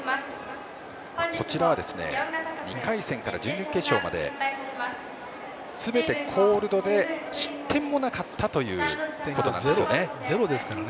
こちらは２回戦から準々決勝まですべてコールドで失点もなかったということなんです。